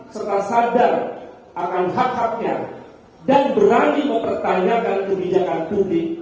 serta sadar akan hak haknya dan berani mempertanyakan kebijakan publik